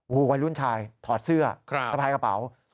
วู้ยวันลุ่นชายถอดเสื้อทรัพยากระเป๋า